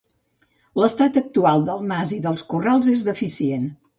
L’estat actual del mas i dels corrals és deficient.